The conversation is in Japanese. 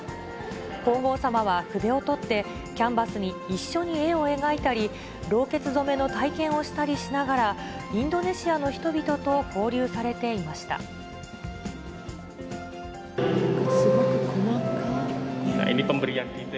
皇后さまは筆を取って、キャンバスに一緒に絵を描いたり、ろうけつ染めの体験をしたりしながら、インドネシアの人々と交流されてすごく細かい。